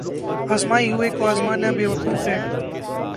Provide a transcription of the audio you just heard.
آزمائے ہوئے کو آزمانا بے وقوفی ہے۔